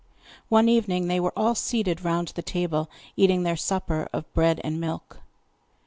One evening they were all seated round the table, eating their supper of bread and milk.